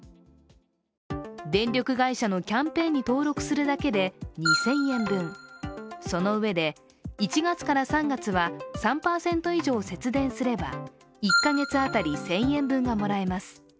電力会社のキャンペーンに登録するだけで２０００円分そのうえで１月から３月は３％以上を節電すれば１か月当たり１０００円分がもらえます。